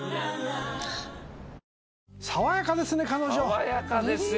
爽やかですよ。